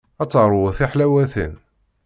Ad teṛwu tiḥlawatin.